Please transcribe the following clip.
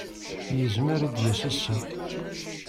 Yezmer ad d-yas ass-a.